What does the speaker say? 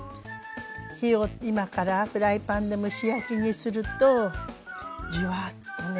火を今からフライパンで蒸し焼きにするとジュワッとね